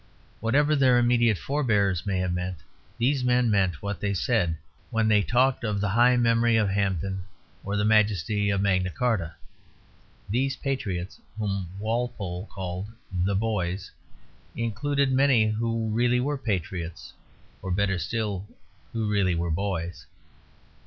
Whatever their immediate forbears may have meant, these men meant what they said when they talked of the high memory of Hampden or the majesty of Magna Carta. Those Patriots whom Walpole called the Boys included many who really were patriots or better still, who really were boys.